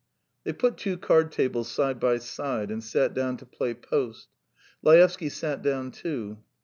They put two card tables side by side and sat down to play post. Laevsky sat down too.